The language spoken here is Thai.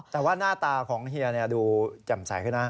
แต่ว่าหน้าตาของเฮียเนี่ยดูจำใสขึ้นนะ